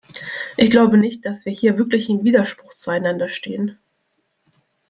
Ich glaube nicht, dass wir hier wirklich im Widerspruch zueinander stehen.